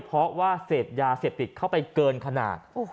เพราะว่าเสพยาเสพติดเข้าไปเกินขนาด